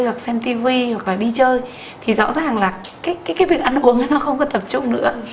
hoặc xem tv hoặc là đi chơi thì rõ ràng là cái việc ăn uống nó không có tập trúc nữa